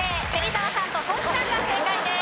芹澤さんととしさんが正解です。